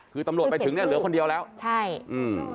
คือตำรวจไปถึงเนี้ยเหลือคนเดียวแล้วใช่อืม